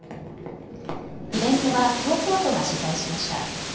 イベントは東京都が主催しました。